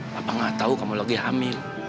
papa gak tau kamu lagi hamil